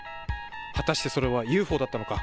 果たしてそれはＵＦＯだったのか。